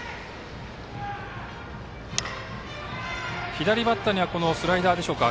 左バッターにはスライダーでしょうか。